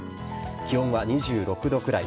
気温は２６度くらい。